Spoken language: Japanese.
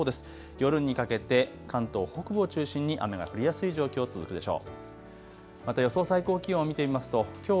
夜にかけて関東北部を中心に雨が降りやすい状況、続くでしょう。